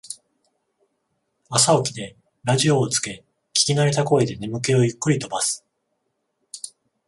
朝起きてラジオをつけ聞きなれた声で眠気をゆっくり飛ばす